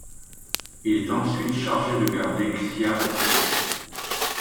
Il est ensuite chargé de garder Xia Kou.